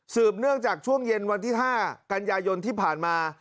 เนื่องจากช่วงเย็นวันที่๕กันยายนที่ผ่านมา